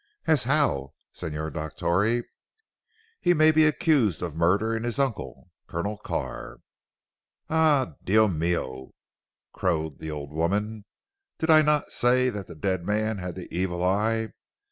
"As how Signor Dottore?" "He may be accused of murdering his uncle, Colonel Carr!" "Eh Dio mio!" crowed the old women. "Did I not say that the dead man had the evil eye!